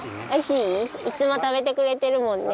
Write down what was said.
いつも食べてくれてるもんね。